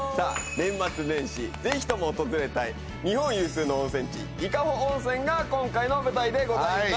年末年始、ぜひとも訪れたい日本有数の温泉地・伊香保温泉が今回の舞台でございます。